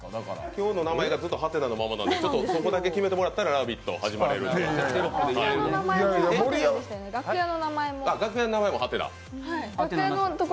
今日の名前がずっと？のままなんで今日決めてもらったら「ラヴィット！」始まれると。